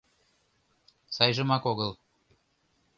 — Сайжымак огыл.